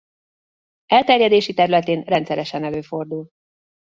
Elterjedési területén rendszeresen előfordul.